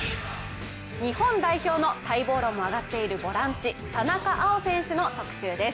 日本代表の待望論もあがっているボランチ、田中碧選手の特集です。